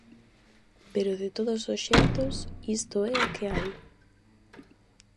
Pero de todos os xeitos isto é o que hai.